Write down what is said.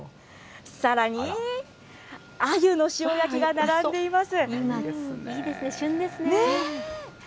さらに、アユの塩焼きが並んでい旬ですね。